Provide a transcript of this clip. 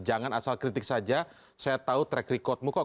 jangan asal kritik saja saya tahu track recordmu kok